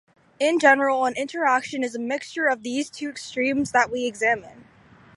In general an interaction is a mixture of these two extremes that we examine.